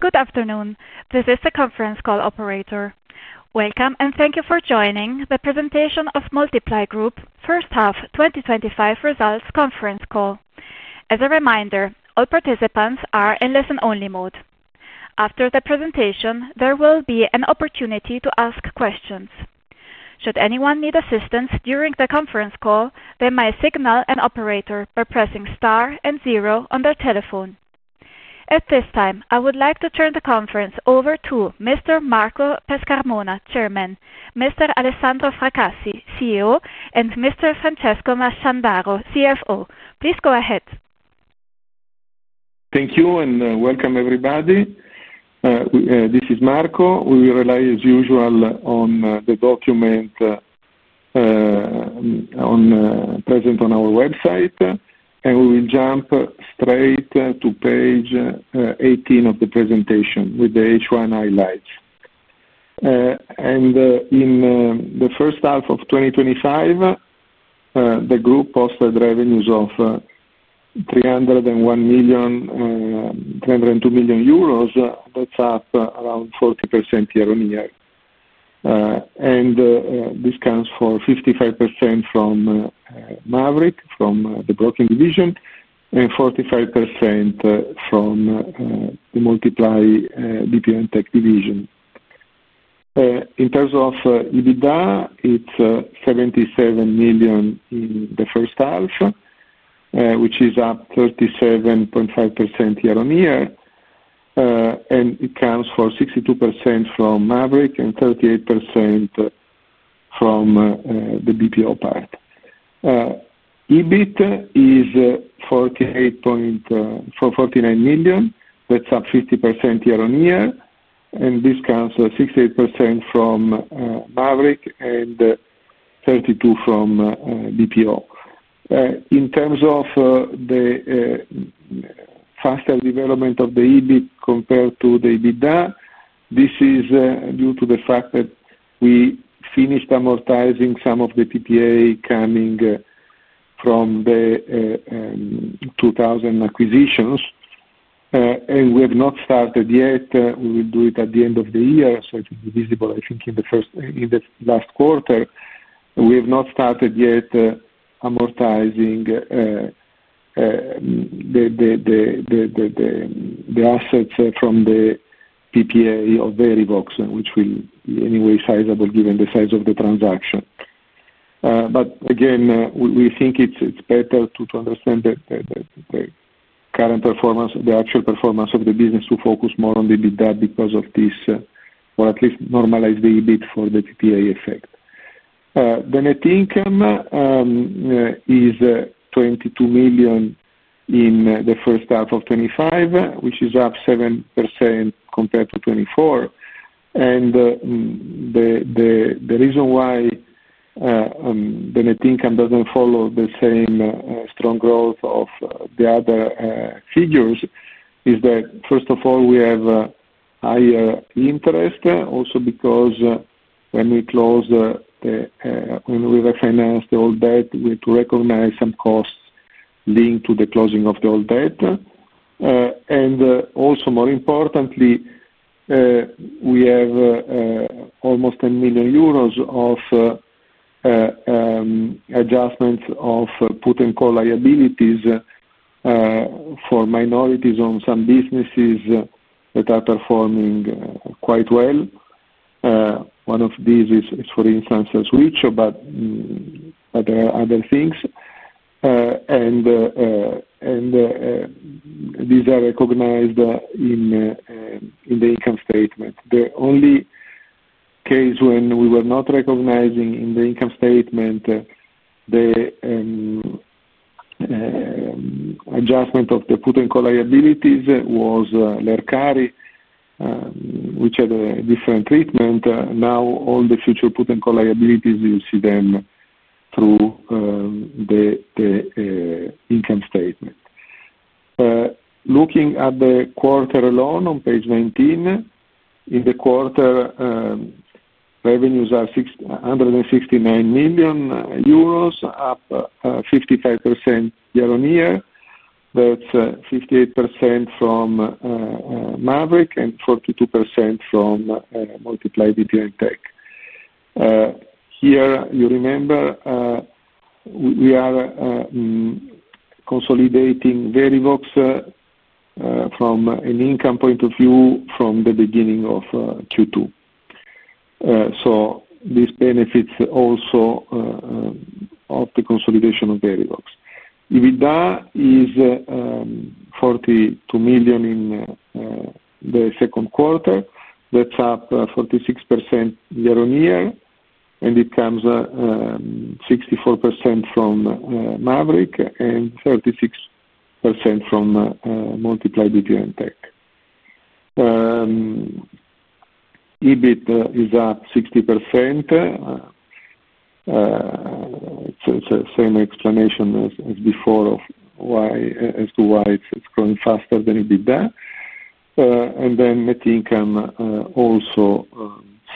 Good afternoon. This is the conference call operator. Welcome and thank you for joining the presentation of Multiply Group's first half 2025 results conference call. As a reminder, all participants are in listen-only mode. After the presentation, there will be an opportunity to ask questions. Should anyone need assistance during the conference call, they may signal an operator by pressing star and zero on their telephone. At this time, I would like to turn the conference over to Mr. Marco Pescarmona, Chairman, Mr. Alessandro Fracassi, CEO, and Mr. Francesco Masciandaro, CFO. Please go ahead. Thank you and welcome everybody. This is Marco. We will rely, as usual, on the document present on our website, and we will jump straight to page 18 of the presentation with the H1 highlights. In the first half of 2025, the group posted revenues of €302 million, that's up around 40% year on year. This comes for 55% from Maverick, from the broking division, and 45% from the Multiply BPM Tech division. In terms of EBITDA, it's €77 million in the first half, which is up 37.5% year on year, and it comes for 62% from Maverick and 38% from the BPO part. EBIT is €48.49 million, that's up 50% year on year, and this comes for 68% from Maverick and 32% from BPO. In terms of the faster development of the EBIT compared to the EBITDA, this is due to the fact that we finished amortizing some of the TPA coming from the 2000 acquisitions, and we have not started yet. We will do it at the end of the year, so it will be visible, I think, in the last quarter. We have not started yet amortizing the assets from the TPA of Verivox, which will be anyway sizable given the size of the transaction. We think it's better to understand the current performance, the actual performance of the business, to focus more on the EBITDA because of this, or at least normalize the EBIT for the TPA effect. The income is €22 million in the first half of 2025, which is up 7% compared to 2024. The reason why the net income doesn't follow the same strong growth of the other figures is that, first of all, we have a higher interest, also because when we closed the, when we refinanced the old debt, we had to recognize some costs linked to the closing of the old debt. More importantly, we have almost €10 million of adjustments of put and call liabilities for minorities on some businesses that are performing quite well. One of these is, for instance, Switch, but there are other things. These are recognized in the income statement. The only case when we were not recognizing in the income statement the adjustment of the put and call liabilities was Lercare, which had a different treatment. Now, all the future put and call liabilities, you'll see them through the income statement. Looking at the quarter alone on page 19, in the quarter, revenues are €169 million, up 55% year on year. That's 58% from Maverick and 42% from Multiply BPM Tech. Here, you remember, we are consolidating Verivox from an income point of view from the beginning of Q2. This benefits also from the consolidation of Verivox. EBITDA is $42 million in the second quarter. That's up 46% year on year, and it comes 64% from Maverick and 36% from Multiply BPM Tech. EBIT is up 60%. It's the same explanation as before as to why it's growing faster than EBITDA. Net income also,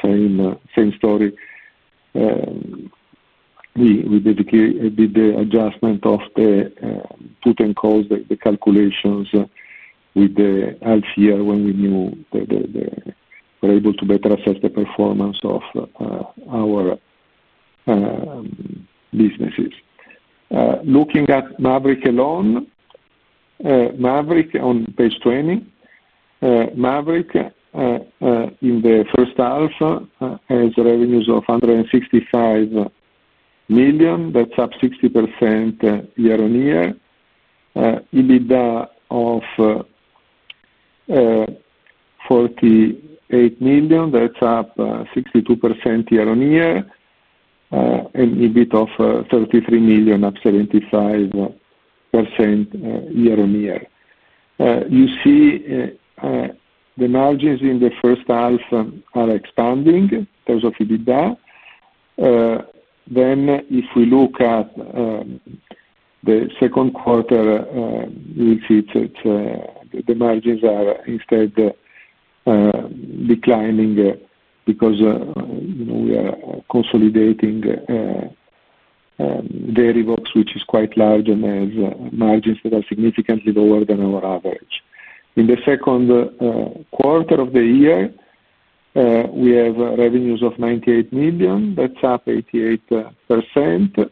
same story. We did a bit of the adjustment of the put and calls, the calculations with the half year when we knew that we were able to better assess the performance of our businesses. Looking at Maverick alone, Maverick on page 20, Maverick in the first half has revenues of $165 million. That's up 60% year on year. EBITDA of $48 million. That's up 62% year on year. EBIT of $33 million, up 75% year on year. You see the margins in the first half are expanding in terms of EBITDA. If we look at the second quarter, you'll see the margins are instead declining because we are consolidating Verivox, which is quite large and has margins that are significantly lower than our average. In the second quarter of the year, we have revenues of $98 million. That's up 88%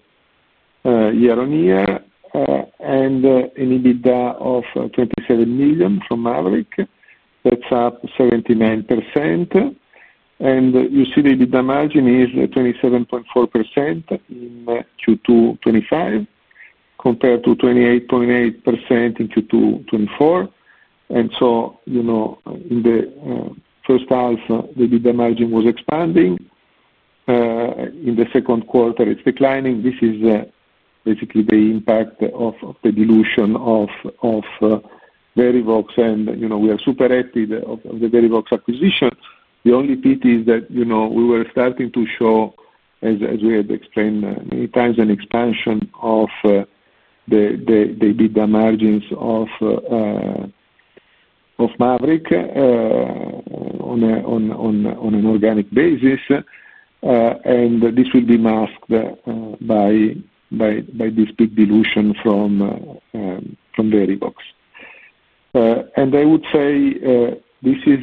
year on year. An EBITDA of $27 million from Maverick. That's up 79%. You see the EBITDA margin is 27.4% in Q2 2025 compared to 28.8% in Q2 2024. In the first half, the EBITDA margin was expanding. In the second quarter, it's declining. This is basically the impact of the dilution of Verivox. We are super happy with the Verivox acquisition. The only pit is that we were starting to show, as we had explained many times, an expansion of the EBITDA margins of Maverick on an organic basis. This will be masked by this big dilution from Verivox. This is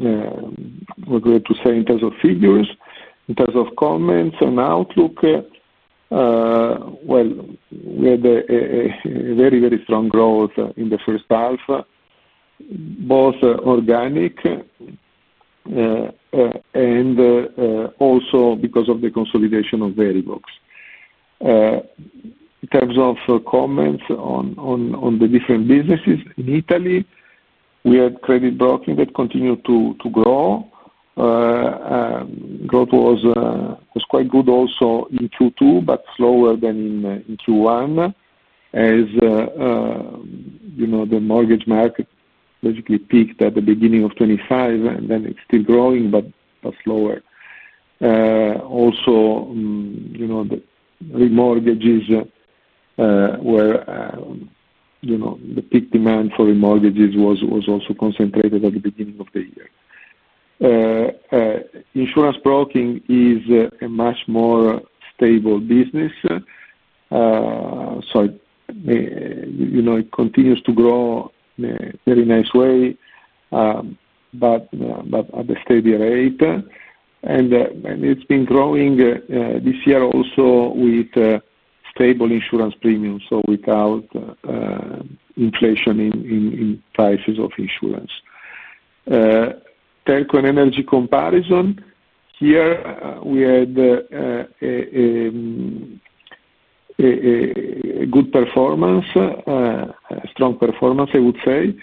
what we're going to say in terms of figures, in terms of comments and outlook. We had a very, very strong growth in the first half, both organic and also because of the consolidation of Verivox. In terms of comments on the different businesses in Italy, we had credit broking that continued to grow. Growth was quite good also in Q2, but slower than in Q1 as the mortgage market basically peaked at the beginning of 2025, and then it's still growing, but slower. The remortgages were the peak demand for remortgages was also concentrated at the beginning of the year. Insurance broking is a much more stable business. It continues to grow in a very nice way, but at a steady rate. It's been growing this year also with stable insurance premiums, so without inflation in prices of insurance. Telco and energy comparison had a good performance, a strong performance, I would say.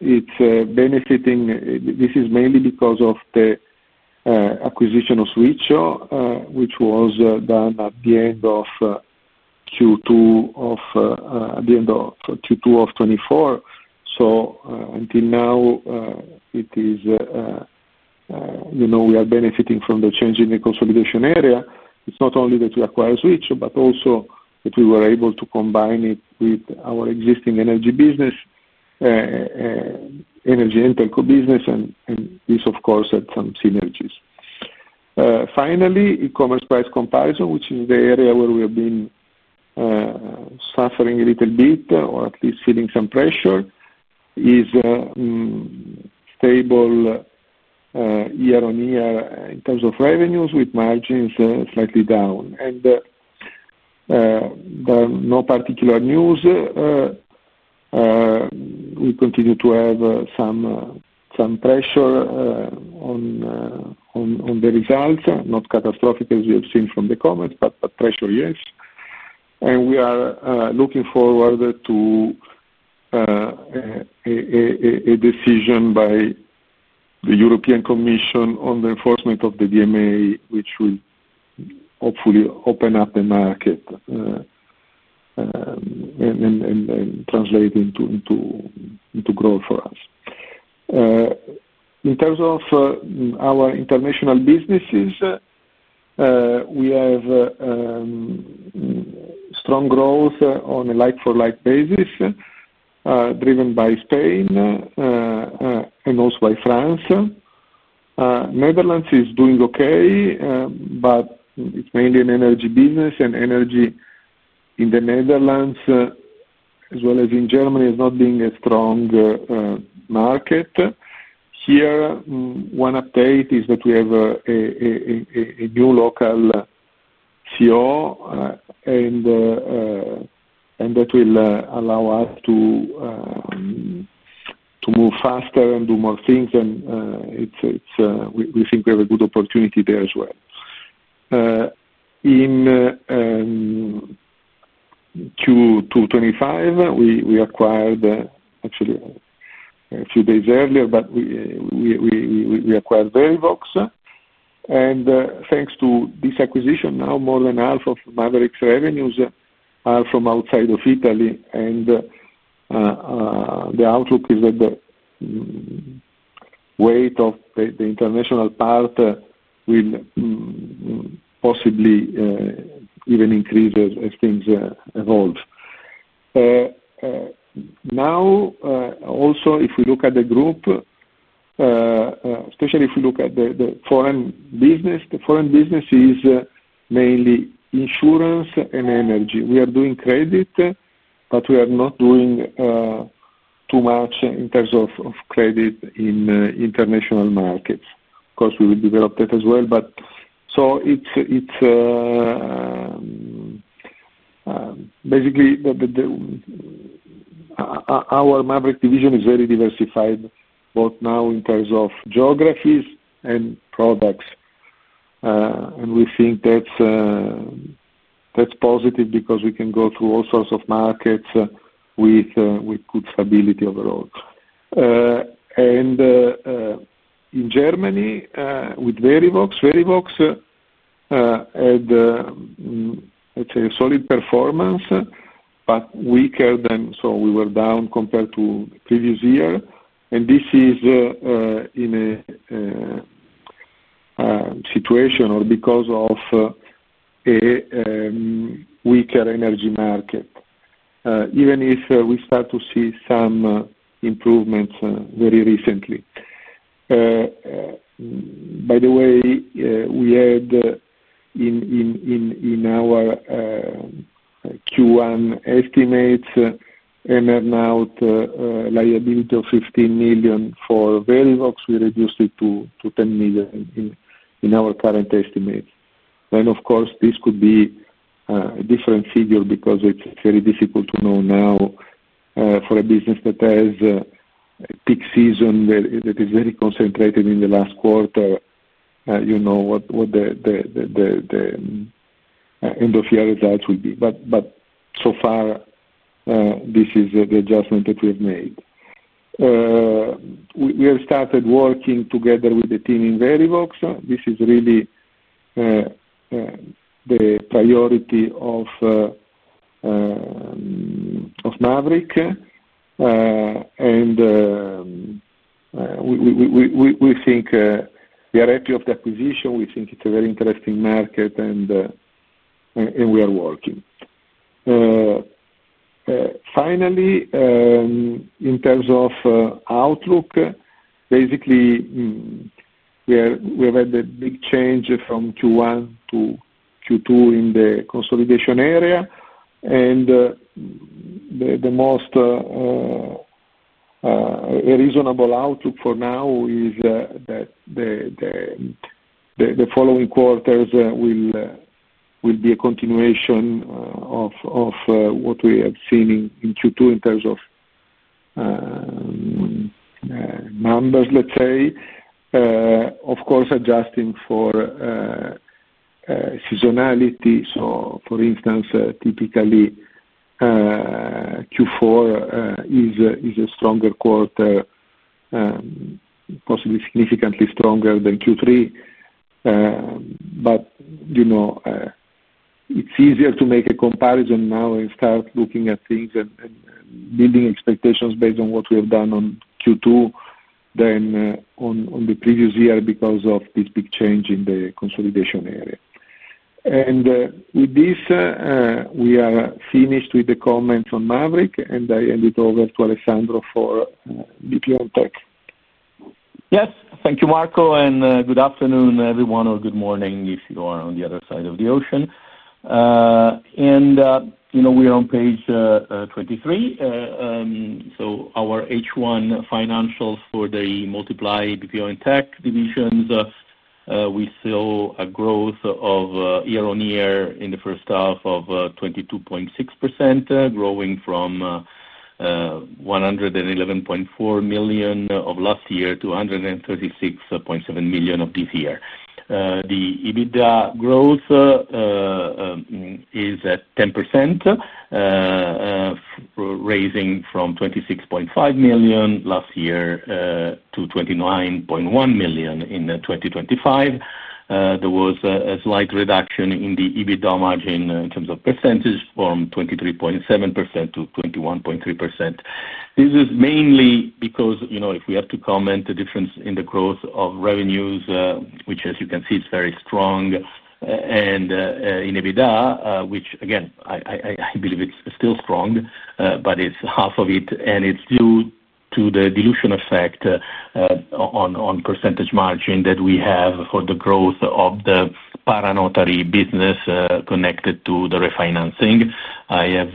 It's benefiting mainly because of the acquisition of Switch, which was done at the end of Q2 2024. Until now, we are benefiting from the change in the consolidation area. It's not only that we acquired Switch, but also that we were able to combine it with our existing energy and telco business. This, of course, had some synergies. Finally, e-commerce price comparison, which is the area where we have been suffering a little bit, or at least feeling some pressure, is stable year on year in terms of revenues with margins slightly down. There are no particular news. We continue to have some pressure on the results, not catastrophic as we have seen from the comments, but pressure, yes. We are looking forward to a decision by the European Commission on the enforcement of the Digital Markets Act, which will hopefully open up the market and translate into growth for us. In terms of our international businesses, we have strong growth on a like-for-like basis, driven by Spain and also by France. Netherlands is doing okay, but it's mainly an energy business. Energy in the Netherlands, as well as in Germany, is not being a strong market. One update is that we have a new local CEO, and that will allow us to move faster and do more things. We think we have a good opportunity there as well. In Q2 2025, we acquired, actually a few days earlier, but we acquired Verivox. Thanks to this acquisition, now more than half of Maverick's revenues are from outside of Italy. The outlook is that the weight of the international part will possibly even increase as things evolve. If we look at the group, especially if we look at the foreign business, the foreign business is mainly insurance and energy. We are doing credit, but we are not doing too much in terms of credit in international markets. Of course, we will develop that as well. Our Maverick division is very diversified both now in terms of geographies and products. We think that's positive because we can go to all sorts of markets with good stability overall. In Germany, with Verivox, Verivox had, let's say, a solid performance, but weaker than. We were down compared to the previous year. This is in a situation or because of a weaker energy market, even if we start to see some improvements very recently. By the way, we had in our Q1 estimates an earnout liability of €15 million for Verivox. We reduced it to €10 million in our current estimates. Of course, this could be a different figure because it's very difficult to know now for a business that has a peak season that is very concentrated in the last quarter what the end-of-year results will be. So far, this is the adjustment that we have made. We have started working together with the team in Verivox. This is really the priority of Maverick. We think we are happy with the acquisition. We think it's a very interesting market, and we are working. Finally, in terms of outlook, basically, we have had a big change from Q1 to Q2 in the consolidation area. The most reasonable outlook for now is that the following quarters will be a continuation of what we have seen in Q2 in terms of numbers, let's say, of course, adjusting for seasonality. For instance, typically, Q4 is a stronger quarter, possibly significantly stronger than Q3. It's easier to make a comparison now and start looking at things and building expectations based on what we have done on Q2 than on the previous year because of this big change in the consolidation area. With this, we are finished with the comments on Maverick, and I hand it over to Alessandro for BPM Tech. Yes. Thank you, Marco, and good afternoon, everyone, or good morning if you are on the other side of the ocean. You know we are on page 23. Our H1 financials for the Multiply BPM Tech divisions, we saw a growth year on year in the first half of 22.6%, growing from €111.4 million last year to €136.7 million this year. The EBITDA growth is at 10%, raising from €26.5 million last year to €29.1 million in 2025. There was a slight reduction in the EBITDA margin in terms of percentage from 23.7% to 21.3%. This is mainly because, if we have to comment on the difference in the growth of revenues, which as you can see, is very strong, and in EBITDA, which again, I believe is still strong, but it's half of it. It's due to the dilution effect on percentage margin that we have for the growth of the paranotary business connected to the refinancing. I have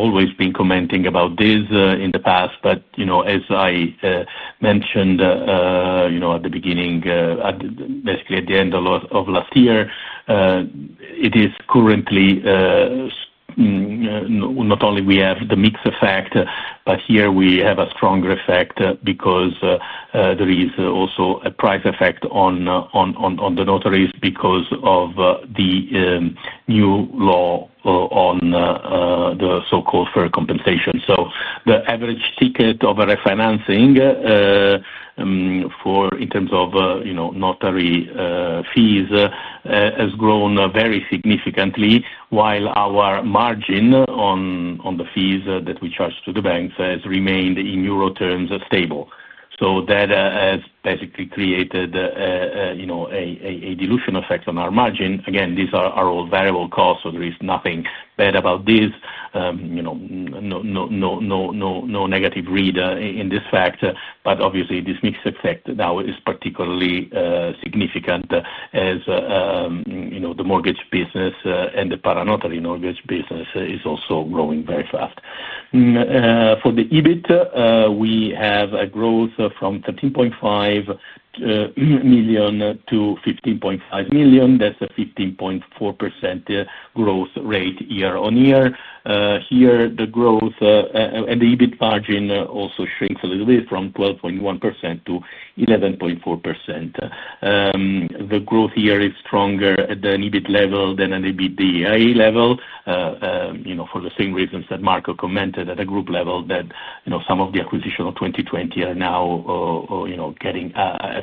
always been commenting about this in the past. As I mentioned at the beginning, basically at the end of last year, it is currently not only we have the mix effect, but here we have a stronger effect because there is also a price effect on the notaries because of the new law on the so-called fair compensation. The average ticket of a refinancing in terms of notary fees has grown very significantly, while our margin on the fees that we charge to the banks has remained in euro terms stable. That has basically created a dilution effect on our margin. These are all variable costs, so there is nothing bad about this. No negative read in this fact. Obviously, this mix effect now is particularly significant as the mortgage business and the paranotary mortgage business is also growing very fast. For the EBIT, we have a growth from €13.5 million to €15.5 million. That's a 15.4% growth rate year on year. Here, the growth and the EBIT margin also shrinks a little bit from 12.1% to 11.4%. The growth here is stronger at an EBIT level than an EBITDA level, for the same reasons that Marco commented at a group level, that some of the acquisition of 2020 are now getting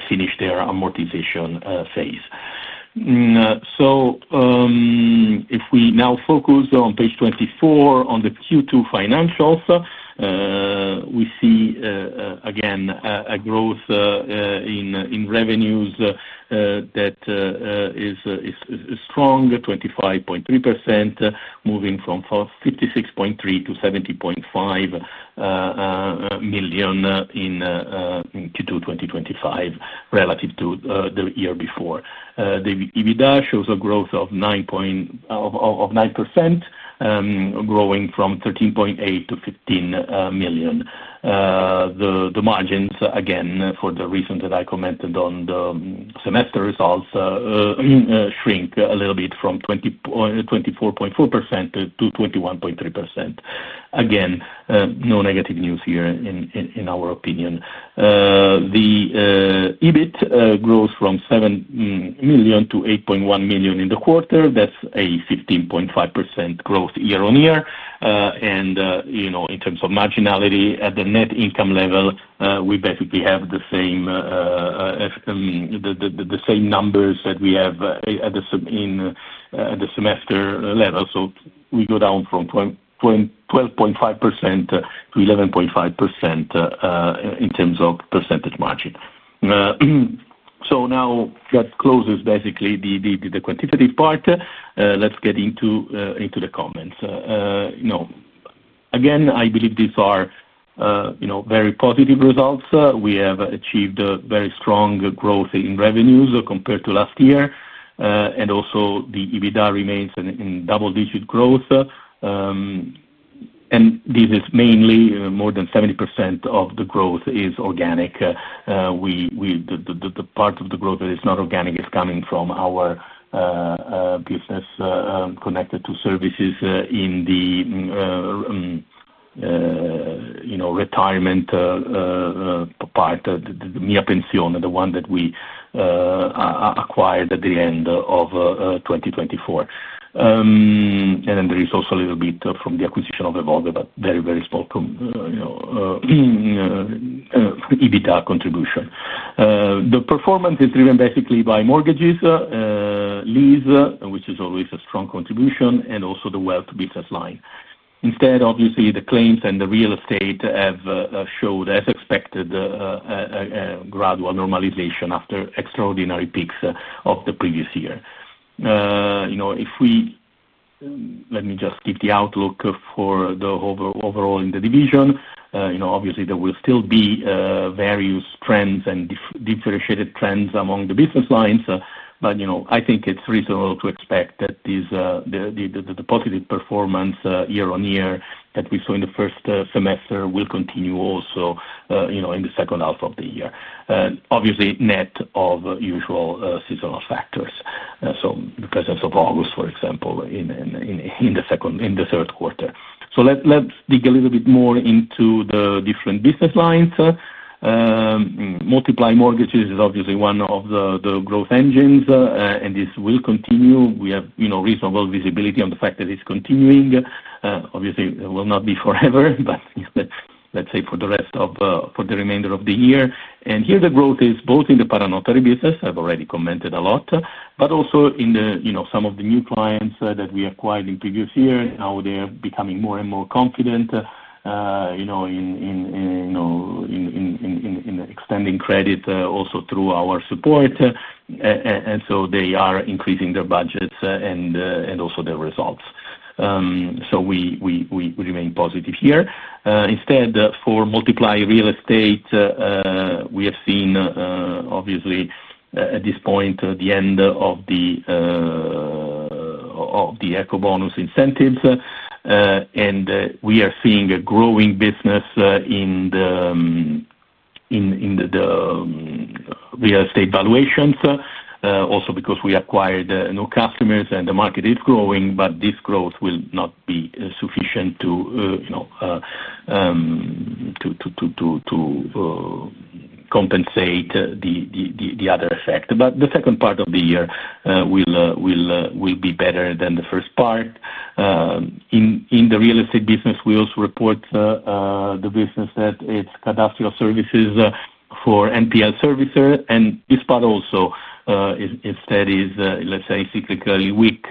finished their amortization phase. If we now focus on page 24, on the Q2 financials, we see again a growth in revenues that is strong, 25.3%, moving from €56.3 million to €70.5 million in Q2 2025 relative to the year before. The EBITDA shows a growth of 9%, growing from €13.8 million to €15 million. The margins, again, for the reasons that I commented on the semester results, shrink a little bit from 24.4% to 21.3%. Again, no negative news here in our opinion. The EBIT grows from $7 million to $8.1 million in the quarter. That's a 15.5% growth year on year. In terms of marginality at the net income level, we basically have the same numbers that we have at the semester level. We go down from 12.5% to 11.5% in terms of percentage margin. That closes basically the quantitative part. Let's get into the comments. I believe these are very positive results. We have achieved very strong growth in revenues compared to last year. Also, the EBITDA remains in double-digit growth. This is mainly more than 70% of the growth is organic. The part of the growth that is not organic is coming from our business connected to services in the retirement part, the Mia Pensione, the one that we acquired at the end of 2024. There is also a little bit from the acquisition of Evolve, but very, very small EBITDA contribution. The performance is driven basically by mortgages, lease, which is always a strong contribution, and also the wealth business line. Instead, obviously, the claims and the real estate have showed, as expected, a gradual normalization after extraordinary peaks of the previous year. Let me just give the outlook for the overall in the division. Obviously, there will still be various trends and differentiated trends among the business lines. I think it's reasonable to expect that the positive performance year on year that we saw in the first semester will continue also in the second half of the year, obviously net of usual seasonal factors. The presence of August, for example, in the second and the third quarter. Let's dig a little bit more into the different business lines. Multiply mortgages is obviously one of the growth engines, and this will continue. We have reasonable visibility on the fact that it's continuing. Obviously, it will not be forever, but let's say for the rest of the remainder of the year. Here, the growth is both in the paranotary business. I've already commented a lot, but also in some of the new clients that we acquired in the previous year. Now they're becoming more and more confident in extending credit also through our support, and so they are increasing their budgets and also their results. We remain positive here. Instead, for Multiply Real Estate, we have seen, obviously, at this point, the end of the EcoBonus incentives. We are seeing a growing business in the real estate valuations, also because we acquired new customers and the market is growing, but this growth will not be sufficient to compensate the other effect. The second part of the year will be better than the first part. In the real estate business, we also report the business that is cadastral services for NPL services. This part also, instead, is, let's say, cyclically weak.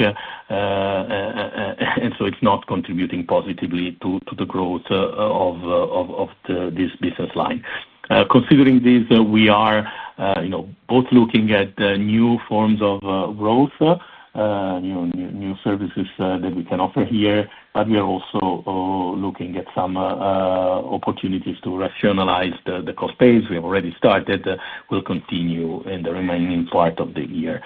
It is not contributing positively to the growth of this business line. Considering this, we are both looking at new forms of growth, new services that we can offer here, but we are also looking at some opportunities to rationalize the cost base. We already started. We'll continue in the remaining part of the year.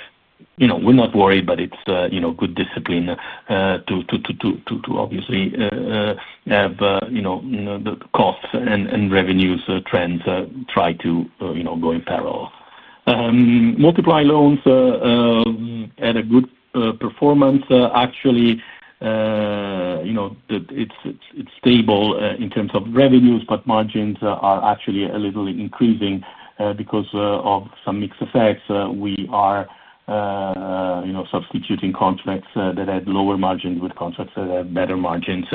You know, we're not worried, but it's good discipline to obviously have the costs and revenues trends try to go in parallel. Multiply loans had a good performance. Actually, you know, it's stable in terms of revenues, but margins are actually a little increasing because of some mixed effects. We are substituting contracts that had lower margins with contracts that had better margins.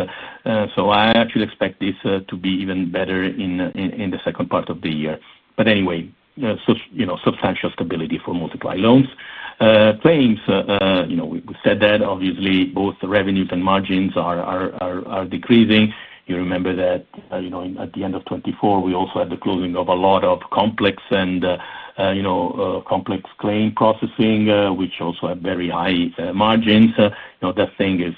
I actually expect this to be even better in the second part of the year. Anyway, substantial stability for Multiply loans. Claims, you know, we said that obviously both the revenues and margins are decreasing. You remember that, you know, at the end of 2024, we also had the closing of a lot of complex and, you know, claim processing, which also had very high margins. That thing is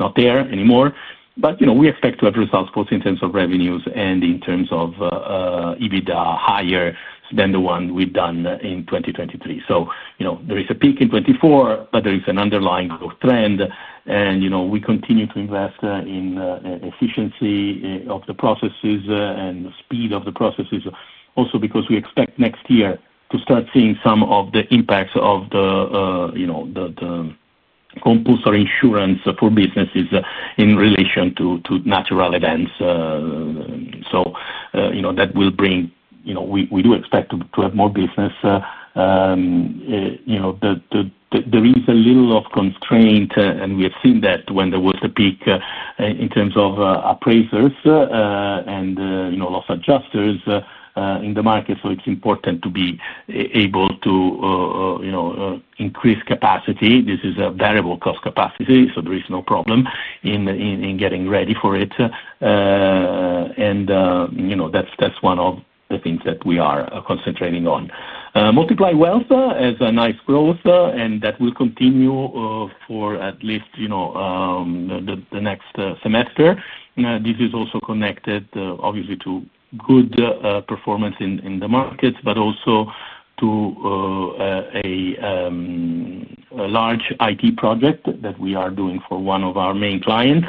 not there anymore. You know, we expect to have results both in terms of revenues and in terms of EBITDA higher than the one we've done in 2023. There is a peak in 2024, but there is an underlying growth trend. We continue to invest in efficiency of the processes and the speed of the processes, also because we expect next year to start seeing some of the impacts of the compulsory insurance for businesses in relation to natural events. That will bring, you know, we do expect to have more business. There is a little of constraint, and we have seen that when there was a peak in terms of appraisers and loss adjusters in the market. It is important to be able to increase capacity. This is a variable cost capacity, so there is no problem in getting ready for it. That's one of the things that we are concentrating on. Multiply Wealth has a nice growth, and that will continue for at least the next semester. This is also connected, obviously, to good performance in the markets, but also to a large IT project that we are doing for one of our main clients.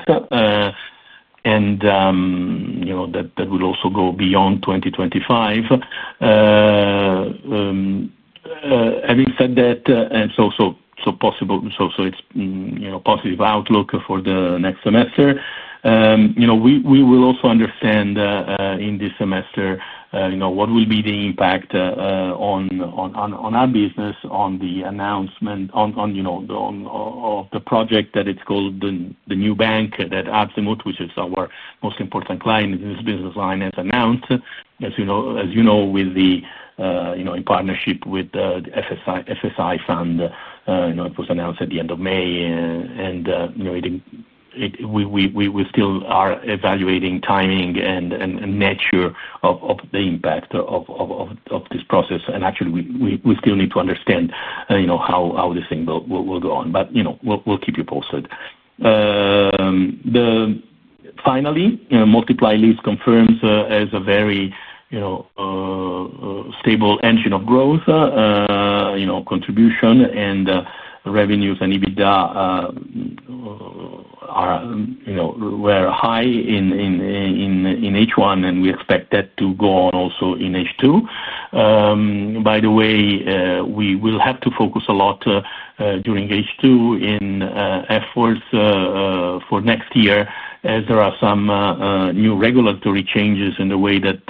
That will also go beyond 2025. Having said that, it's a positive outlook for the next semester. We will also understand in this semester what will be the impact on our business on the announcement of the project that is called the new bank that Absamoot, which is our most important client in this business line, has announced. As you know, in partnership with the FSI Fund, it was announced at the end of May. We still are evaluating timing and nature of the impact of this process. We still need to understand how this thing will go on. We'll keep you posted. Finally, Multiply Lease confirms as a very stable engine of growth. Contribution and revenues and EBITDA were high in H1, and we expect that to go on also in H2. By the way, we will have to focus a lot during H2 in efforts for next year as there are some new regulatory changes in the way that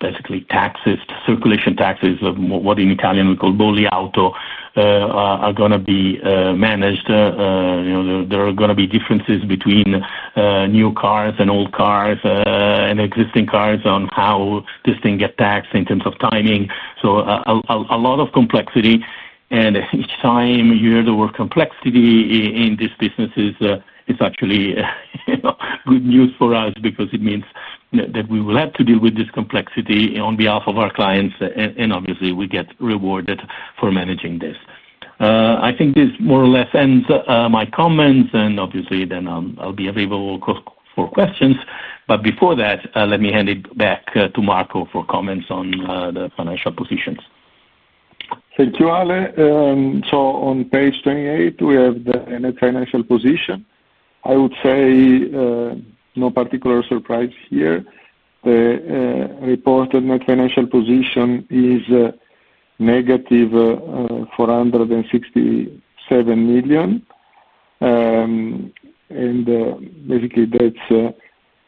basically taxes, circulation taxes, what in Italian we call bolle auto, are going to be managed. There are going to be differences between new cars and old cars and existing cars on how this thing gets taxed in terms of timing. A lot of complexity. Each time you hear the word complexity in these businesses, it's actually good news for us because it means that we will have to deal with this complexity on behalf of our clients, and obviously, we get rewarded for managing this. I think this more or less ends my comments, and then I'll be available for questions. Before that, let me hand it back to Marco for comments on the financial positions. Thank you, Ale. On page 28, we have the net financial position. I would say no particular surprise here. The reported net financial position is negative €467 million. Basically, that's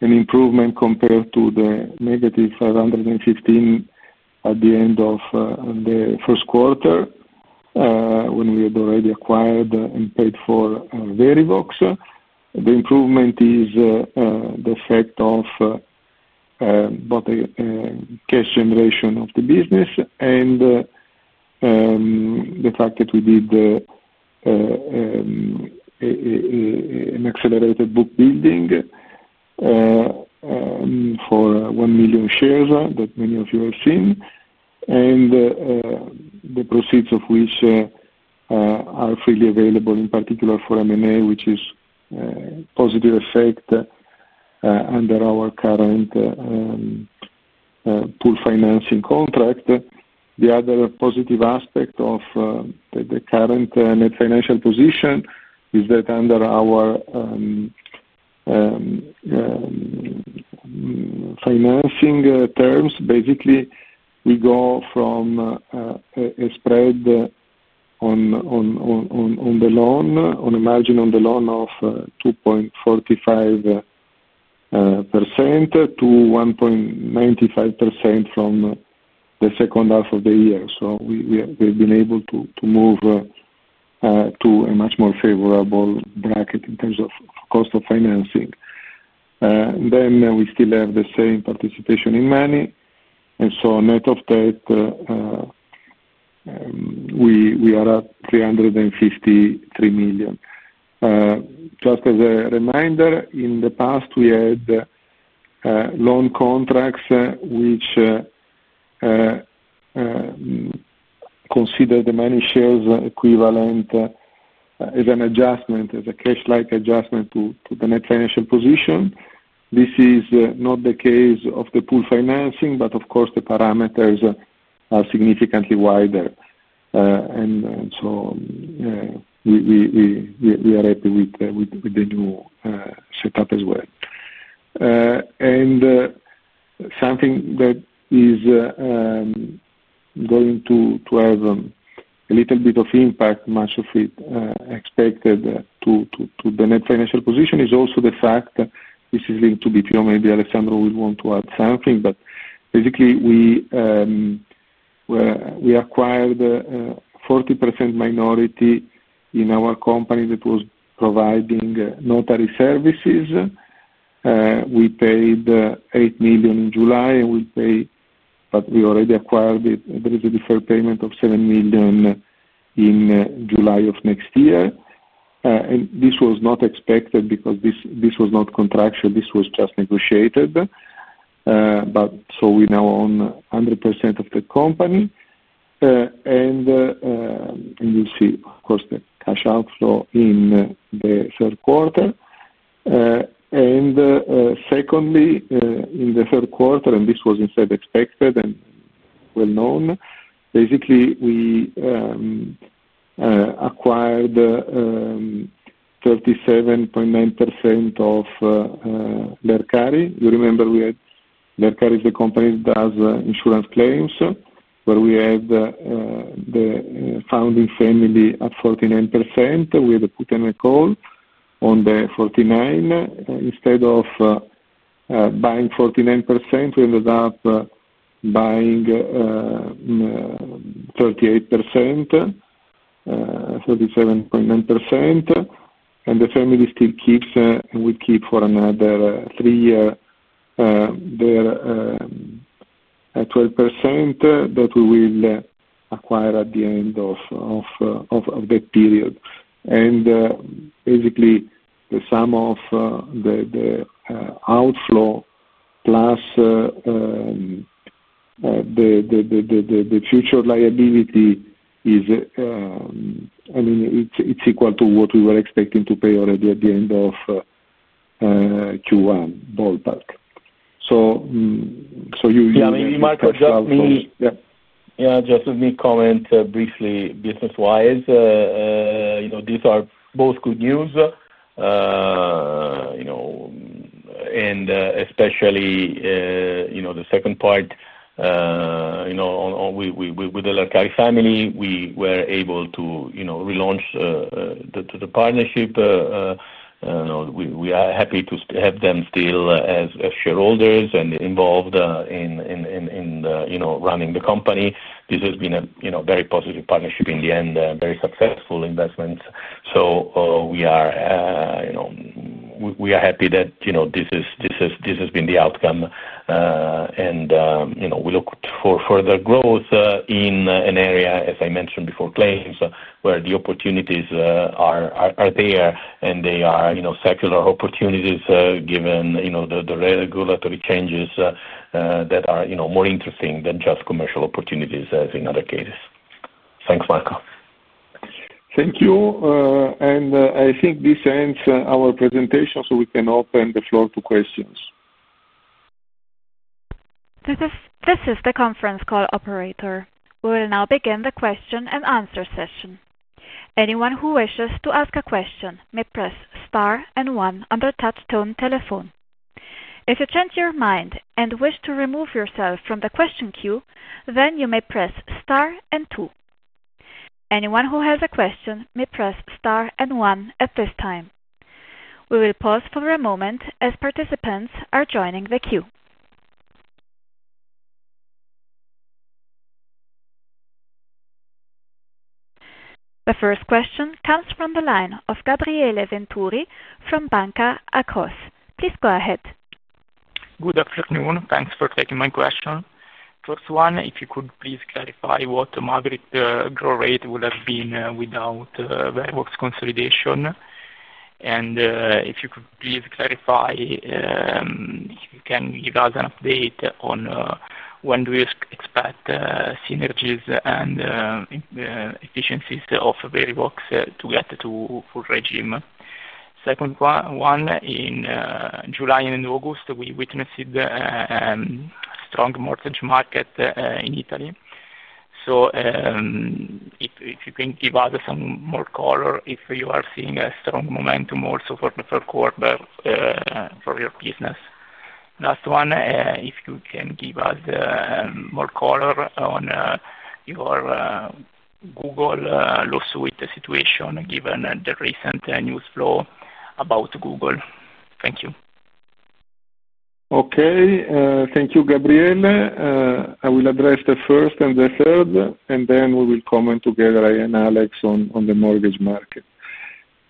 an improvement compared to the negative €515 million at the end of the first quarter when we had already acquired and paid for Verivox. The improvement is the effect of cash generation of the business and the fact that we did an accelerated book building for 1 million shares that many of you have seen, and the proceeds of which are freely available, in particular for M&A, which is a positive effect under our current pool financing contract. The other positive aspect of the current net financial position is that under our financing terms, we go from a spread on the loan, on a margin on the loan of 2.45% to 1.95% from the second half of the year. We have been able to move to a much more favorable bracket in terms of cost of financing. We still have the same participation in money. Net of debt, we are at €353 million. Just as a reminder, in the past, we had loan contracts which considered the many shares equivalent as an adjustment, as a cash-like adjustment to the net financial position. This is not the case of the pool financing, but of course, the parameters are significantly wider. We are happy with the new setup as well. Something that is going to have a little bit of impact, much of it expected to the net financial position, is also the fact that this is linked to BPO. Maybe Alessandro will want to add something. Basically, we acquired a 40% minority in our company that was providing notary services. We paid €8 million in July, and we paid, but we already acquired it, the deferred payment of €7 million in July of next year. This was not expected because this was not contractual. This was just negotiated. We now own 100% of the company. You see, of course, the cash outflow in the third quarter. Secondly, in the third quarter, and this was instead expected and well known, we acquired 37.9% of Lercare. You remember, Lercare is the company that does insurance claims where we had the founding family at 49%. We had to put in a call on the 49%. Instead of buying 49%, we ended up buying 38%, 37.9%. The family still keeps, we keep for another three years, they're at 12% that we will acquire at the end of that period. Basically, the sum of the outflow plus the future liability is, I mean, it's equal to what we were expecting to pay already at the end of Q1, ballpark. Yeah, maybe Marco just needs to comment briefly business-wise. These are both good news. Especially the second point, with the Lercare family, we were able to relaunch the partnership. We are happy to have them still as shareholders and involved in running the company. This has been a very positive partnership in the end, very successful investments. We are happy that this has been the outcome. We look for further growth in an area, as I mentioned before, claims, where the opportunities are there, and they are secular opportunities given the regulatory changes that are more interesting than just commercial opportunities as in other cases. Thanks, Marco. Thank you. I think this ends our presentation, so we can open the floor to questions. This is the conference call operator. We will now begin the question and answer session. Anyone who wishes to ask a question may press star and one on the touch-tone telephone. If you change your mind and wish to remove yourself from the question queue, you may press star and two. Anyone who has a question may press star and one at this time. We will pause for a moment as participants are joining the queue. The first question comes from the line of Gabriele Venturi from Banca Accors. Please go ahead. Good afternoon. Thanks for taking my question. First one, if you could please clarify what the Maverick growth rate would have been without Verivox consolidation. If you could please clarify if you can give us an update on when you expect synergies and efficiencies of Verivox to get to full regime. Second one, in July and August, we witnessed a strong mortgage market in Italy. If you can give us some more color if you are seeing a strong momentum also for your business. Last one, if you can give us more color on your Google lawsuit situation given the recent news flow about Google. Thank you. Okay. Thank you, Gabriele. I will address the first and the third, and then we will comment together, I and Alex, on the mortgage market.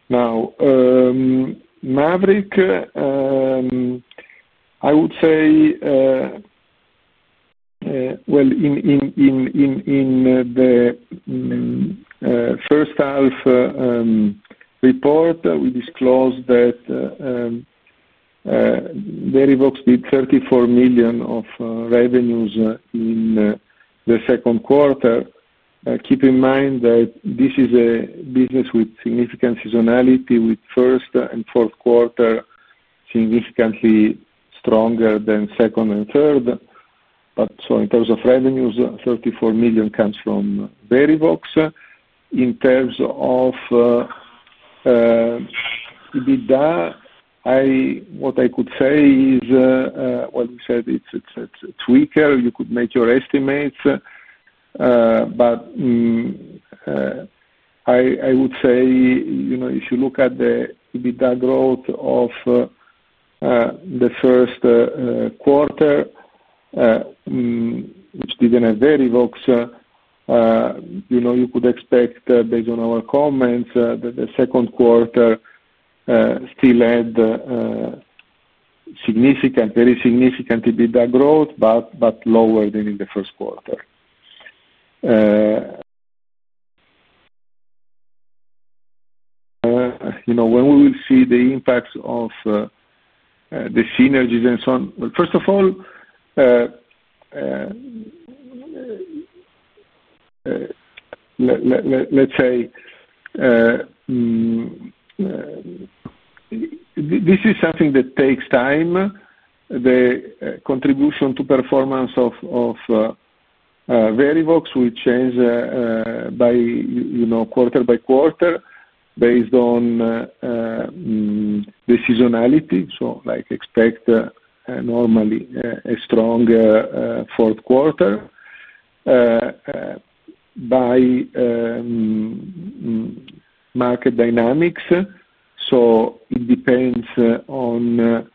Now, Maverick, I would say, in the first half report, we disclosed that Verivox did $34 million of revenues in the second quarter. Keep in mind that this is a business with significant seasonality, with first and fourth quarter significantly stronger than second and third. In terms of revenues, $34 million comes from Verivox. In terms of EBITDA, what I could say is, we said it's weaker. You could make your estimates. I would say, if you look at the EBITDA growth of the first quarter, which didn't have Verivox, you could expect, based on our comments, that the second quarter still had very significant EBITDA growth, but lower than in the first quarter. When we will see the impacts of the synergies and so on. First of all, let's say this is something that takes time. The contribution to performance of Verivox will change quarter by quarter based on the seasonality. I expect normally a strong fourth quarter by market dynamics. It depends on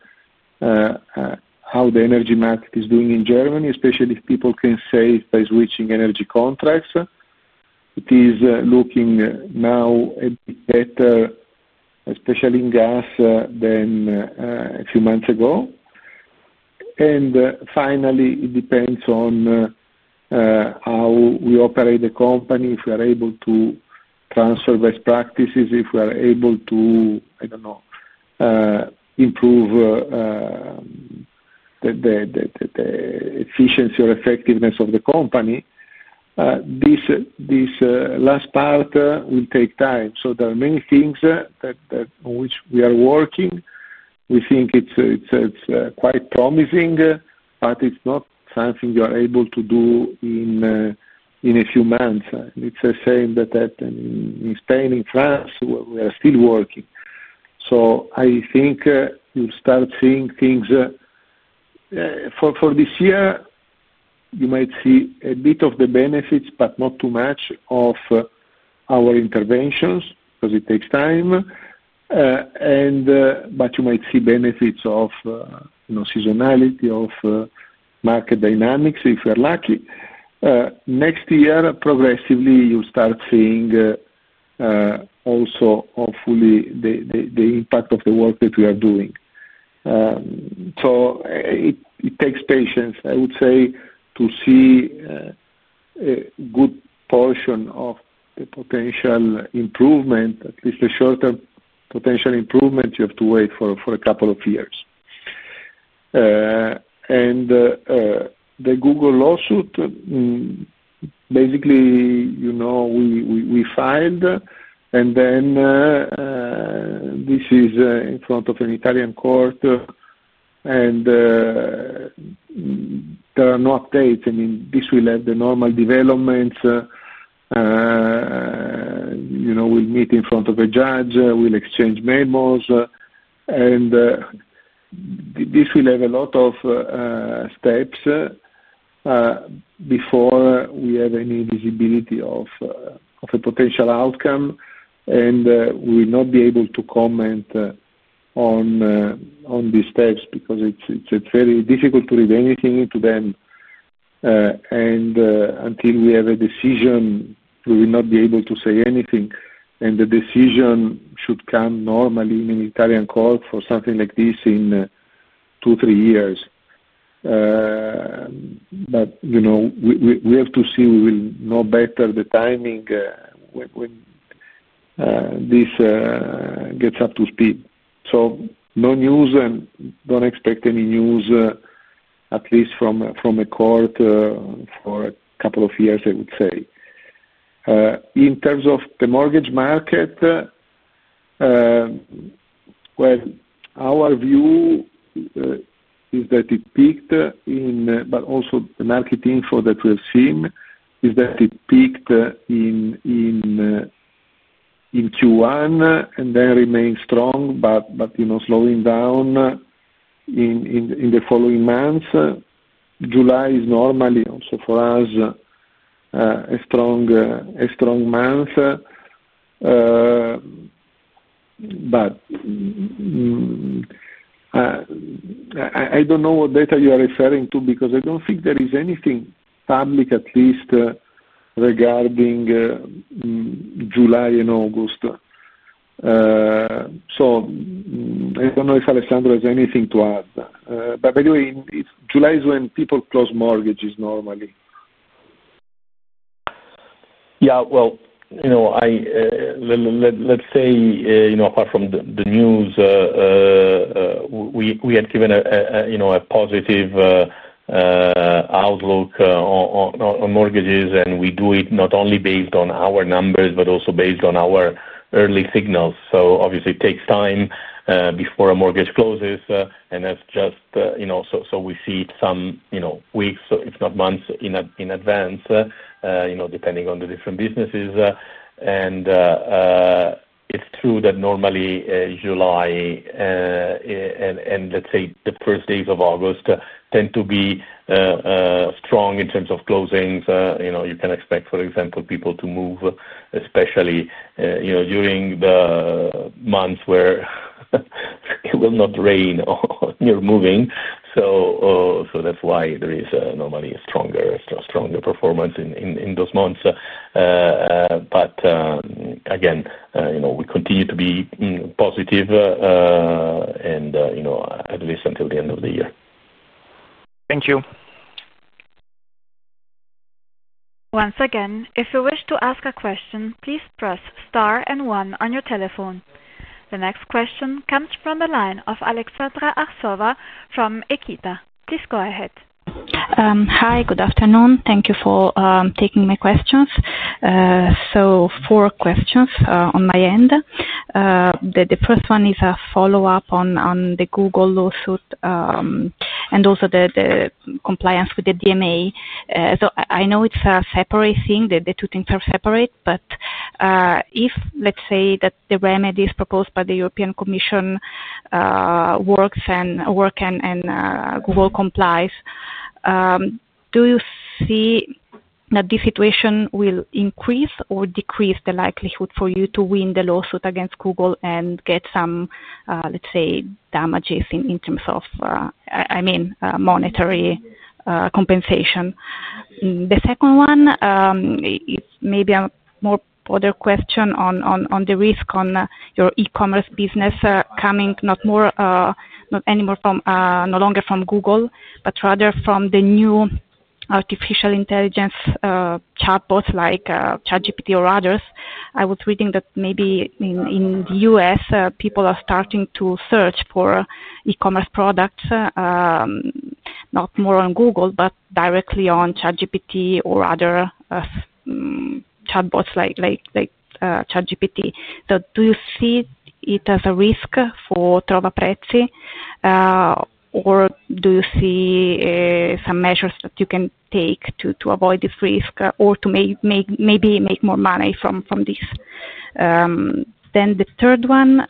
how the energy market is doing in Germany, especially if people can save by switching energy contracts. It is looking now a bit better, especially in gas, than a few months ago. Finally, it depends on how we operate the company, if we are able to transfer best practices, if we are able to, I don't know, improve the efficiency or effectiveness of the company. This last part will take time. There are many things on which we are working. We think it's quite promising, but it's not something you are able to do in a few months. It's a shame that in Spain, in France, we are still working. I think you'll start seeing things for this year. You might see a bit of the benefits, but not too much of our interventions because it takes time. You might see benefits of seasonality of market dynamics if you're lucky. Next year, progressively, you'll start seeing also, hopefully, the impact of the work that we are doing. It takes patience, I would say, to see a good portion of the potential improvement, at least the short-term potential improvement. You have to wait for a couple of years. The Google lawsuit, basically, we filed, and then this is in front of an Italian court, and there are no updates. This will have the normal developments. We'll meet in front of a judge. We'll exchange memos. This will have a lot of steps before we have any visibility of a potential outcome. We will not be able to comment on these steps because it's very difficult to read anything into them. Until we have a decision, we will not be able to say anything. The decision should come normally in an Italian court for something like this in two or three years. You know, we have to see. We will know better the timing when this gets up to speed. No news and don't expect any news, at least from a court for a couple of years, I would say. In terms of the mortgage market, our view is that it peaked in, but also the market info that we have seen is that it peaked in Q1 and then remained strong, but slowing down in the following months. July is normally also for us a strong month. I don't know what data you are referring to because I don't think there is anything public, at least regarding July and August. I don't know if Alessandro has anything to add. Anyway, July is when people close mortgages normally. Let's say, apart from the news, we had given a positive outlook on mortgages, and we do it not only based on our numbers, but also based on our early signals. Obviously, it takes time before a mortgage closes. That's just, you know, so we see it some weeks, if not months, in advance, depending on the different businesses. It's true that normally July and the first days of August tend to be strong in terms of closings. You can expect, for example, people to move, especially during the months where it will not rain or you're moving. That's why there is normally a stronger performance in those months. Again, we continue to be positive, at least until the end of the year. Thank you. Once again, if you wish to ask a question, please press star and one on your telephone. The next question comes from the line of Alexandra Arsova from Equita. Please go ahead. Hi. Good afternoon. Thank you for taking my questions. Four questions on my end. The first one is a follow-up on the Google lawsuit and also the compliance with the Digital Markets Act. I know it's a separate thing. The two things are separate. If, let's say, the remedies proposed by the European Commission work and Google complies, do you see that this situation will increase or decrease the likelihood for you to win the lawsuit against Google and get some, let's say, damages in terms of, I mean, monetary compensation? The second one, maybe another question on the risk on your e-commerce business coming not anymore from Google, but rather from the new artificial intelligence chatbots like ChatGPT or others. I was reading that maybe in the U.S., people are starting to search for e-commerce products, not more on Google, but directly on ChatGPT or other chatbots like ChatGPT. Do you see it as a risk for turbo pricing, or do you see some measures that you can take to avoid this risk or to maybe make more money from this? The third one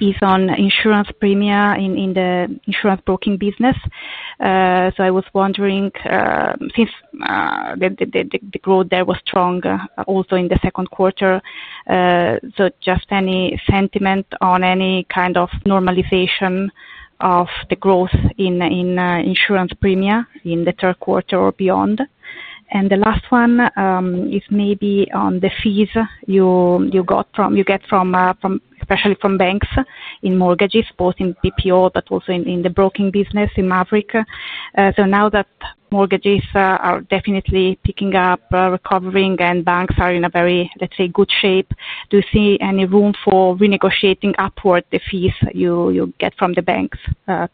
is on insurance premia in the insurance broking business. I was wondering, since the growth there was strong also in the second quarter, any sentiment on any kind of normalization of the growth in insurance premia in the third quarter or beyond? The last one is maybe on the fees you get from, especially from banks in mortgages, both in BPO, but also in the broking business in Maverick. Now that mortgages are definitely picking up, recovering, and banks are in a very, let's say, good shape, do you see any room for renegotiating upward the fees you get from the banks?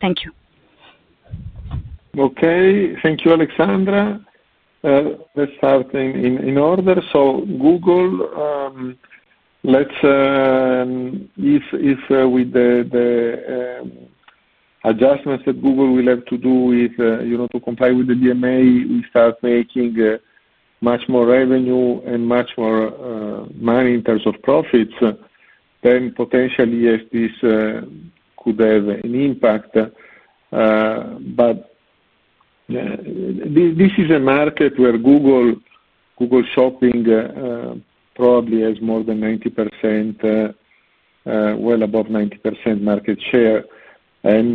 Thank you. Okay. Thank you, Alexandra. Let's start in order. Google, with the adjustments that Google will have to do to comply with the Digital Markets Act, we start making much more revenue and much more money in terms of profits. Potentially, yes, this could have an impact. This is a market where Google Shopping probably has more than 90%, well above 90% market share. I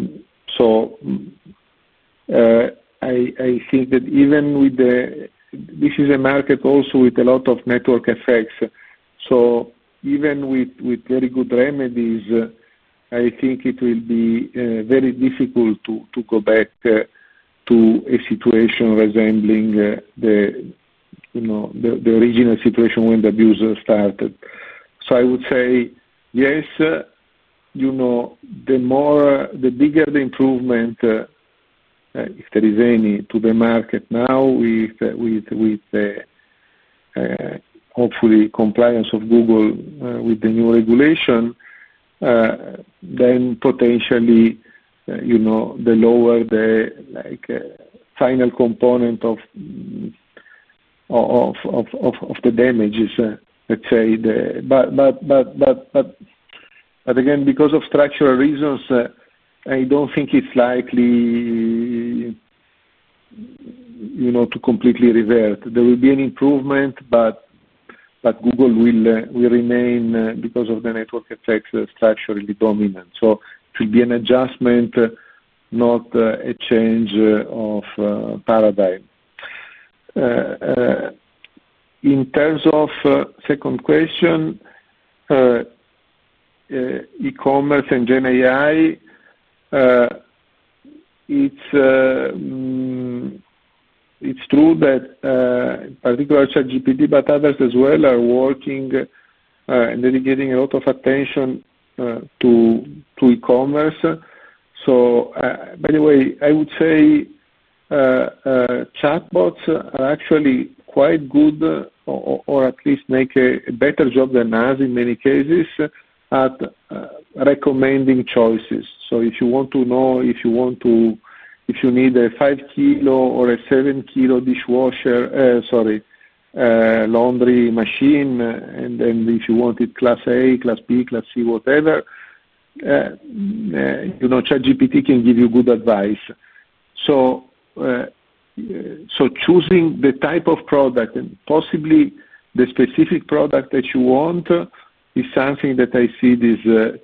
think that even with this, this is a market also with a lot of network effects. Even with very good remedies, I think it will be very difficult to go back to a situation resembling the original situation when the abuse started. I would say, yes, the bigger the improvement, if there is any, to the market now with, hopefully, compliance of Google with the new regulation, then potentially, the lower the final component of the damages. Again, because of structural reasons, I don't think it's likely to completely revert. There will be an improvement, but Google will remain because of the network effects structurally dominant. It will be an adjustment, not a change of paradigm. In terms of the second question, e-commerce and generative AI, it's true that in particular ChatGPT, but others as well, are working and dedicating a lot of attention to e-commerce. I would say chatbots are actually quite good, or at least make a better job than us in many cases at recommending choices. If you want to know, if you need a five-kilo or a seven-kilo dishwasher, sorry, laundry machine, and then if you want it class A, class B, class C, whatever, ChatGPT can give you good advice. Choosing the type of product and possibly the specific product that you want is something that I see these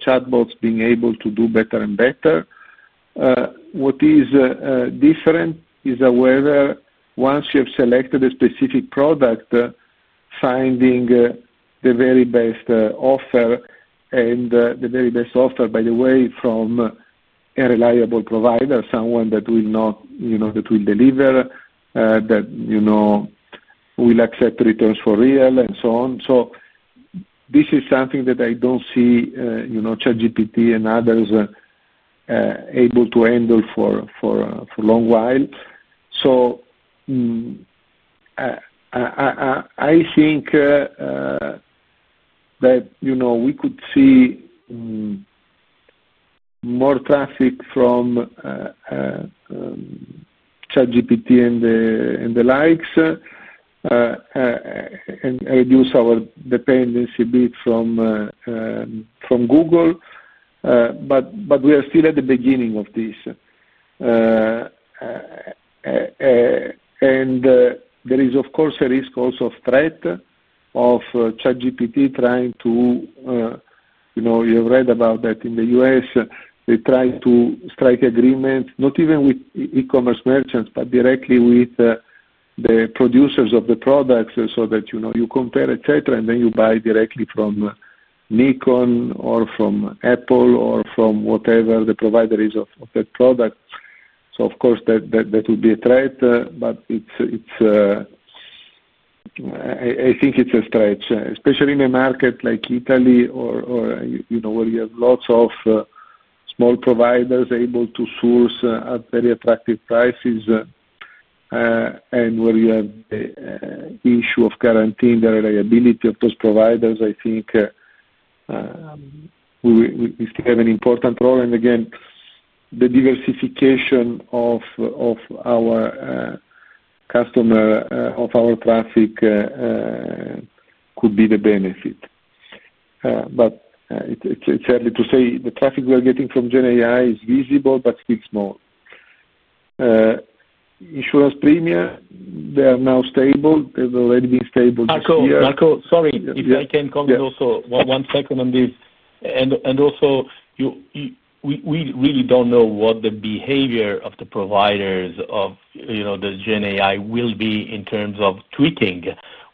chatbots being able to do better and better. What is different is whether once you have selected a specific product, finding the very best offer and the very best offer, by the way, from a reliable provider, someone that will deliver, that will accept returns for real and so on. This is something that I don't see ChatGPT and others able to handle for a long while. I think that we could see more traffic from ChatGPT and the likes and reduce our dependency a bit from Google. We are still at the beginning of this. There is, of course, a risk also of threat of ChatGPT trying to, you know, you have read about that in the U.S., they're trying to strike agreements, not even with e-commerce merchants, but directly with the producers of the products so that, you know, you compare, etc., and then you buy directly from Nikon or from Apple or from whatever the provider is of that product. That would be a threat, but I think it's a stretch, especially in a market like Italy, where you have lots of small providers able to source at very attractive prices. Where you have the issue of guaranteeing the reliability of those providers, I think we still have an important role. Again, the diversification of our customer, of our traffic, could be the benefit. It's sadly to say the traffic we are getting from generative AI is visible, but still small. Insurance premia, they are now stable. They've already been stable for years. Marco, sorry. If I can comment also one second on this. We really don't know what the behavior of the providers of, you know, the generative AI will be in terms of tweaking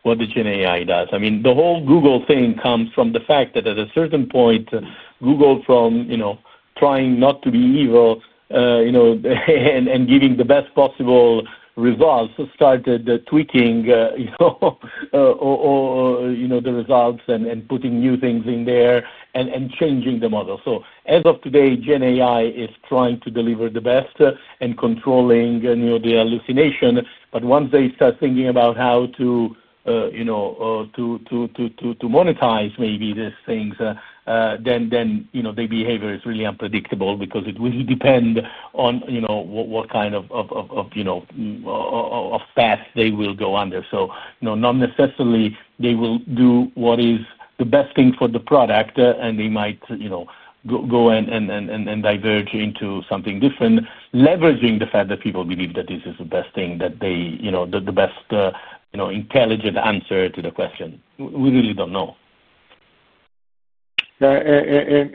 what the generative AI does. I mean, the whole Google thing comes from the fact that at a certain point, Google, from, you know, trying not to be evil, you know, and giving the best possible results, started tweaking, you know, the results and putting new things in there and changing the model. As of today, generative AI is trying to deliver the best and controlling the hallucination. Once they start thinking about how to, you know, to monetize maybe these things, their behavior is really unpredictable because it will depend on, you know, what kind of path they will go under. Not necessarily will they do what is the best thing for the product, and they might, you know, go and diverge into something different, leveraging the fact that people believe that this is the best thing, that they, you know, the best, you know, intelligent answer to the question. We really don't know. The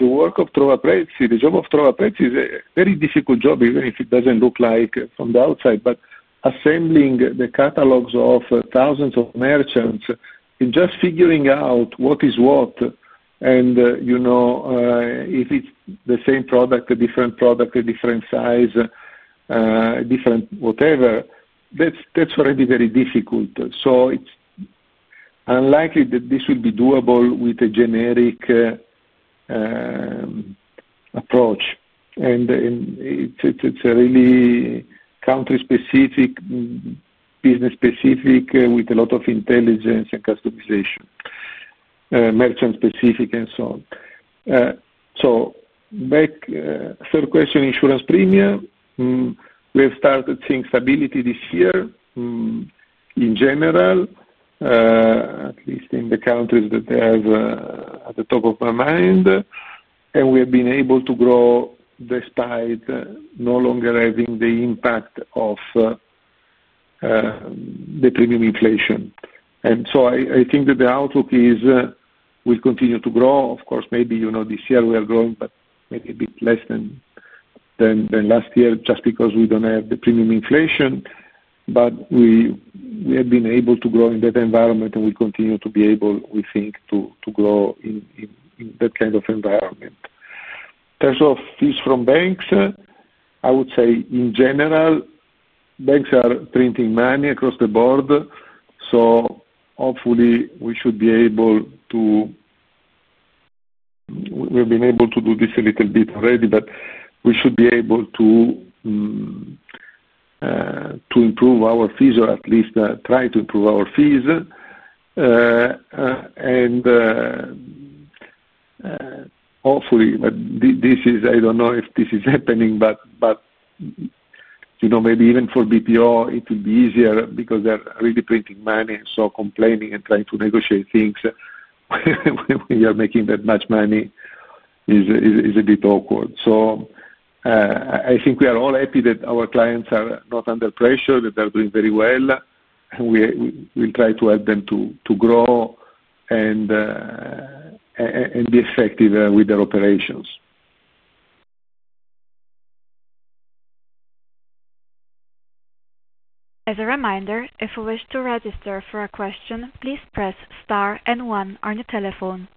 work of TurboPrice is a very difficult job, even if it doesn't look like it on the outside. Assembling the catalogs of thousands of merchants and just figuring out what is what, and if it's the same product, a different product, a different size, a different whatever, that's already very difficult. It's unlikely that this would be doable with a generic approach. It's really country-specific, business-specific, with a lot of intelligence and customization, merchant-specific, and so on. Back to the third question, insurance premia. We have started seeing stability this year in general, at least in the countries that I have at the top of my mind. We have been able to grow despite no longer having the impact of the premium inflation. I think that the outlook is we'll continue to grow. Of course, maybe this year we are growing maybe a bit less than last year just because we don't have the premium inflation. We have been able to grow in that environment, and we continue to be able, we think, to grow in that kind of environment. In terms of fees from banks, I would say in general, banks are printing money across the board. Hopefully, we should be able to—we've been able to do this a little bit already—but we should be able to improve our fees or at least try to improve our fees. Hopefully, but I don't know if this is happening, maybe even for BPO, it will be easier because they're really printing money. Complaining and trying to negotiate things when you're making that much money is a bit awkward. I think we are all happy that our clients are not under pressure, that they're doing very well, and we'll try to help them to grow and be effective with their operations. As a reminder, if you wish to register for a question, please press star and one on your telephone.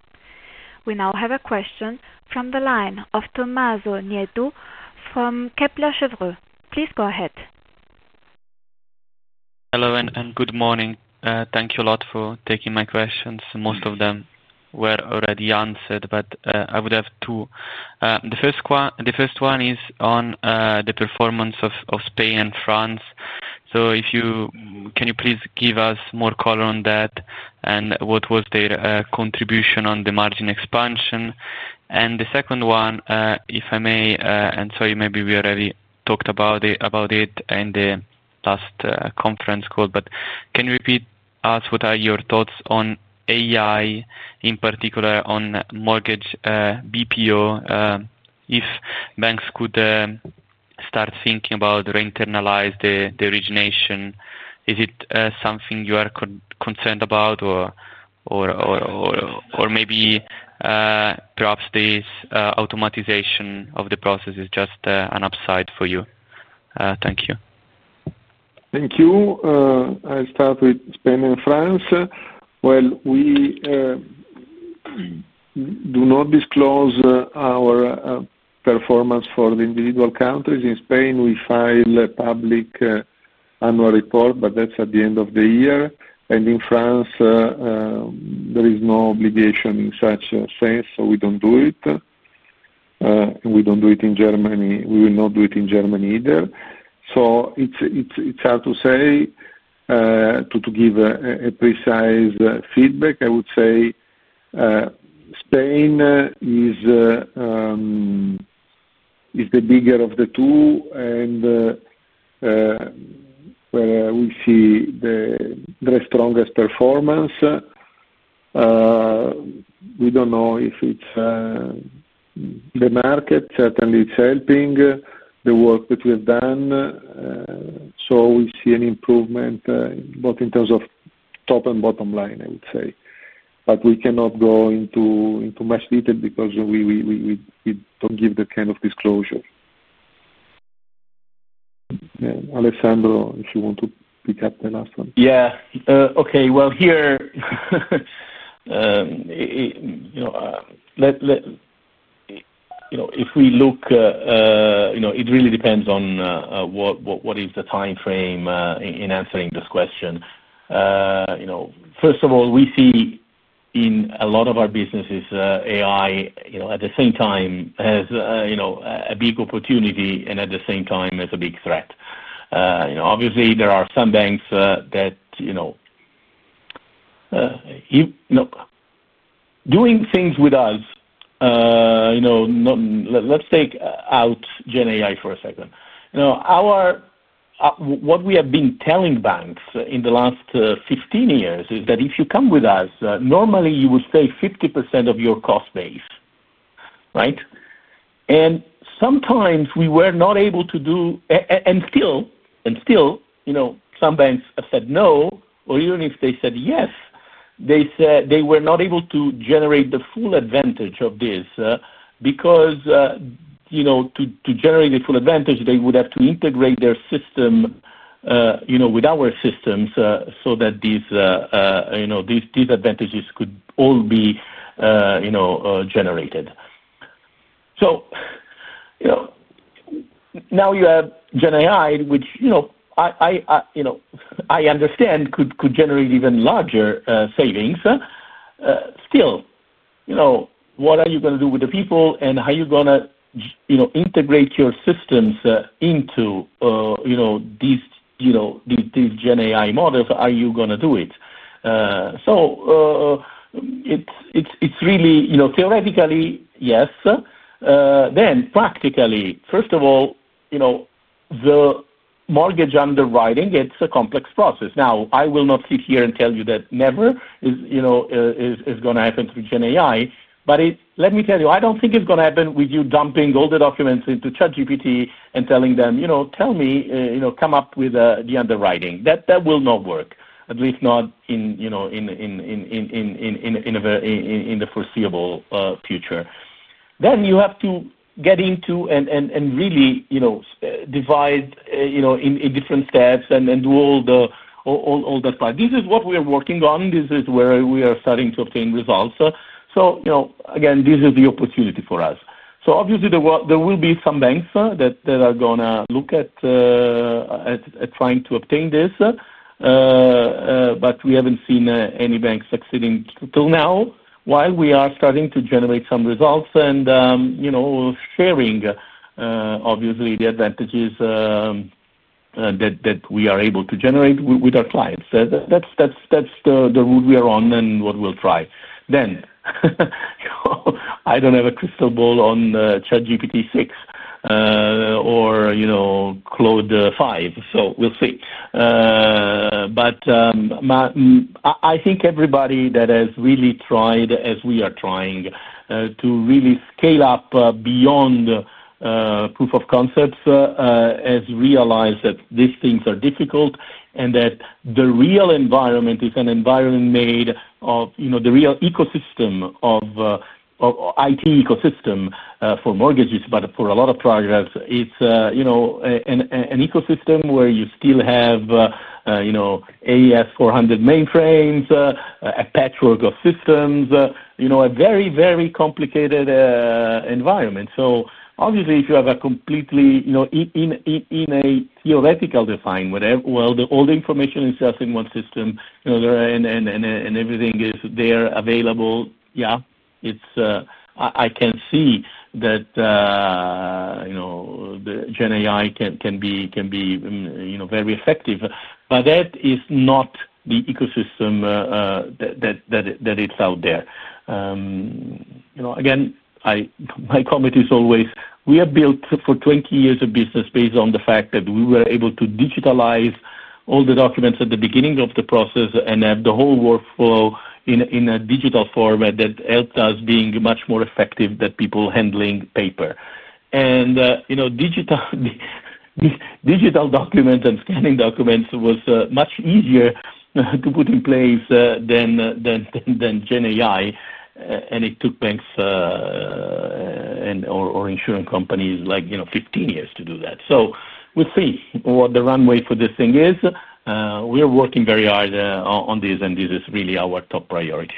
We now have a question from the line of Tommaso Nieto from Kepler Chevreux. Please go ahead. Hello and good morning. Thank you a lot for taking my questions. Most of them were already answered, but I would have two. The first one is on the performance of Spain and France. If you can, please give us more color on that and what was their contribution on the margin expansion? The second one, if I may, and sorry, maybe we already talked about it in the last conference call, but can you repeat us what are your thoughts on AI, in particular on mortgage BPO, if banks could start thinking about or internalize the origination? Is it something you are concerned about, or maybe perhaps this automatization of the process is just an upside for you? Thank you. Thank you. I'll start with Spain and France. We do not disclose our performance for the individual countries. In Spain, we file a public annual report, but that's at the end of the year. In France, there is no obligation in such sense, so we don't do it. We don't do it in Germany either. It's hard to say to give a precise feedback. I would say Spain is the bigger of the two, and where we see the strongest performance. We don't know if it's the market. Certainly, it's helping the work that we have done. We see an improvement both in terms of top and bottom line, I would say. We cannot go into much detail because we don't give that kind of disclosure. Alessandro, if you want to pick up the last one. Okay. Here, if we look, it really depends on what is the timeframe in answering this question. First of all, we see in a lot of our businesses, AI at the same time as a big opportunity and at the same time as a big threat. Obviously, there are some banks that are doing things with us. Let's take out GenAI for a second. What we have been telling banks in the last 15 years is that if you come with us, normally you would pay 50% of your cost base, right? Sometimes we were not able to do, and still, some banks have said no, or even if they said yes, they said they were not able to generate the full advantage of this because to generate the full advantage, they would have to integrate their system with our systems so that these disadvantages could all be generated. Now you have GenAI, which I understand could generate even larger savings. Still, what are you going to do with the people and how are you going to integrate your systems into these GenAI models? Are you going to do it? It's really, theoretically, yes. Practically, first of all, the mortgage underwriting, it's a complex process. I will not sit here and tell you that never is going to happen through GenAI. Let me tell you, I don't think it's going to happen with you dumping all the documents into ChatGPT and telling them, come up with the underwriting. That will not work, at least not in the foreseeable future. Then you have to get into and really divide, You know, in different steps and do all that part. This is what we are working on. This is where we are starting to obtain results. You know, again, this is the opportunity for us. Obviously, there will be some banks that are going to look at trying to obtain this, but we haven't seen any banks succeeding till now while we are starting to generate some results and, you know, sharing, obviously, the advantages that we are able to generate with our clients. That's the route we are on and what we'll try. You know, I don't have a crystal ball on ChatGPT 6, or, you know, Claude 5. We'll see. I think everybody that has really tried, as we are trying, to really scale up beyond proof of concepts has realized that these things are difficult and that the real environment is an environment made of, you know, the real ecosystem of IT ecosystem, for mortgages, but for a lot of projects, it's, you know, an ecosystem where you still have, you know, AES-400 mainframes, a patchwork of systems, a very, very complicated environment. Obviously, if you have a completely, you know, in a theoretical define, whatever, well, all the old information is just in one system, you know, there and everything is there available. Yeah, I can see that, you know, the GenAI can be, you know, very effective, but that is not the ecosystem that it's out there. You know, again, my comment is always, we have built for 20 years of business based on the fact that we were able to digitalize all the documents at the beginning of the process and have the whole workflow in a digital format that helped us being much more effective than people handling paper. You know, digital documents and scanning documents were much easier to put in place than GenAI, and it took banks and/or insurance companies like, you know, 15 years to do that. We'll see what the runway for this thing is. We are working very hard on this, and this is really our top priority.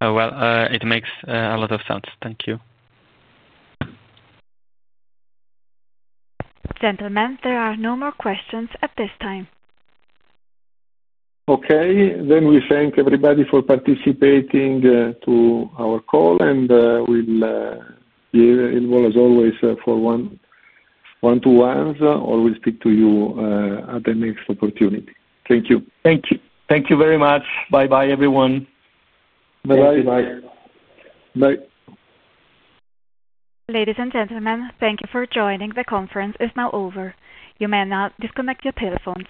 It makes a lot of sense. Thank you. Gentlemen, there are no more questions at this time. Thank you, everybody, for participating in our call. We'll be available, as always, for one-to-ones, or we'll speak to you at the next opportunity. Thank you. Thank you. Thank you very much. Bye-bye, everyone. Bye-bye. Bye-bye. Ladies and gentlemen, thank you for joining. The conference is now over. You may now disconnect your telephone.